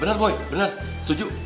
benar boy benar setuju